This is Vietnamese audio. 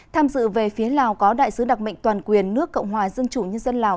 tham dự về phía lào có đại sứ đặc mệnh toàn quyền nước cộng hòa dân chủ nhân dân lào